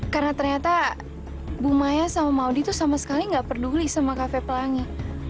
karena ternyata bu maya sama maudie itu sama sekali nggak peduli sama cafe pelangi